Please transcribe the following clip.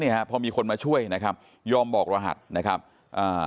ฮะพอมีคนมาช่วยนะครับยอมบอกรหัสนะครับอ่า